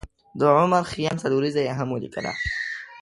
د عمر خیام څلوریځه یې هم ولیکله.